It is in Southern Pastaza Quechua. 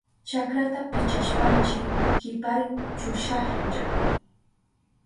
Chakrata pichashpanchi kiparin chushahlla.